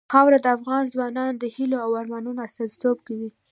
خاوره د افغان ځوانانو د هیلو او ارمانونو استازیتوب کوي.